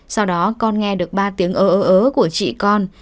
sau đó con nghe được ba tiếng ớ ớ ớ của chị con